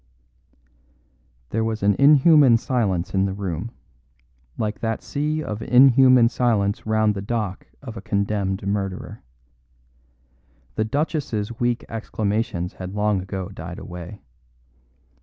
There was an inhuman silence in the room, like that sea of inhuman silence round the dock of the condemned murderer. The Duchess's weak exclamations had long ago died away.